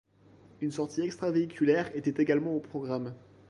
Une sortie extra-véhiculaire était également au programme.